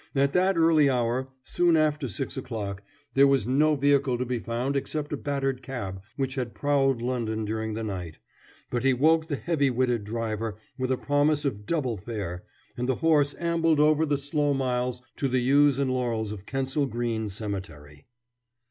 At that early hour, soon after six o'clock, there was no vehicle to be found except a battered cab which had prowled London during the night, but he woke the heavy witted driver with a promise of double fare, and the horse ambled over the slow miles to the yews and laurels of Kensal Green Cemetery.